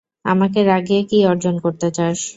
আমাকে রাগিয়ে কী অর্জন করতে চাস?